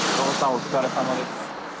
お疲れさまです。